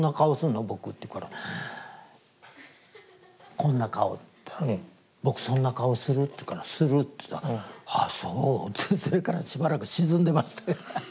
「こんな顔」って言ったら「僕そんな顔する？」って言うから「する」って言ったら「ああそう」ってそれからしばらく沈んでました。